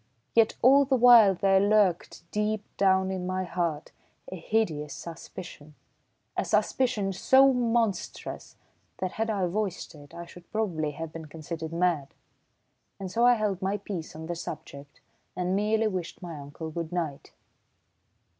Yet all the while there lurked, deep down in my heart, a hideous suspicion, a suspicion so monstrous that had I voiced it, I should probably have been considered mad. And so I held my peace on the subject and merely wished my uncle good night.